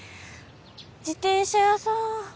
自転車屋さん。